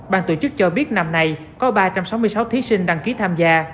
ban tổ chức cho biết năm nay có ba trăm sáu mươi sáu thí sinh đăng ký tham gia